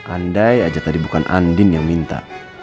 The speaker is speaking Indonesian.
andai aja tadi bukan andin yang minta